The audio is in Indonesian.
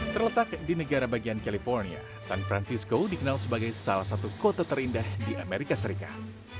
terletak di negara bagian california san francisco dikenal sebagai salah satu kota terindah di amerika serikat